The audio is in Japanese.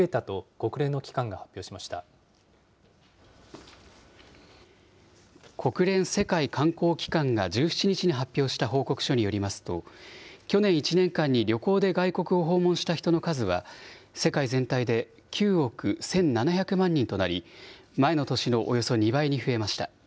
国連世界観光機関が１７日に発表した報告書によりますと、去年１年間に旅行で外国を訪問した人の数は、世界全体で９億１７００万人となり、前の年のおよそ２倍に増えました。